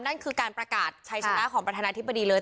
นั่นคือการประกาศชัยชนะของประธานาธิบดีเลย